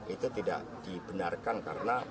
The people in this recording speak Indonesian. itu tidak dibenarkan karena